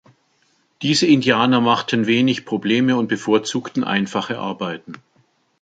Diese Indianer machten wenig Probleme und bevorzugten einfache Arbeiten.